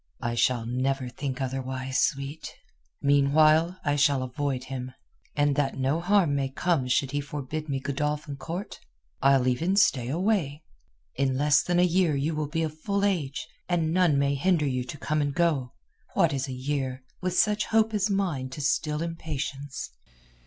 "I shall never think otherwise, sweet. Meanwhile I shall avoid him, and that no harm may come should he forbid me Godolphin Court I'll even stay away. In less than a year you will be of full age, and none may hinder you to come and go. What is a year, with such hope as mine to still impatience?"